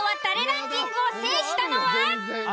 ランキングを制したのは？